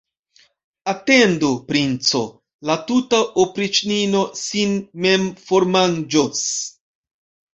Atendu, princo, la tuta opriĉnino sin mem formanĝos.